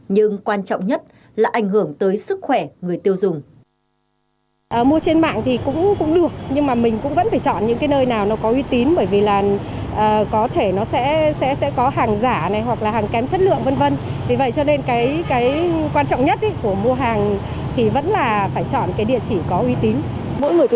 nhưng quan trọng nhất là ảnh hưởng tới sức khỏe người tiêu dùng